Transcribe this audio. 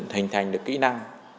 hình thành được kỹ năng